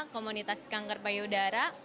komunitas kanker payudara